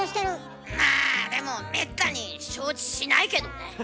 まあでもめったに承知しないけどね。